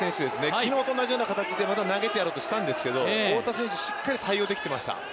昨日と同じような形でまた投げてやろうとしたんですけど、太田選手しっかり対応できていました。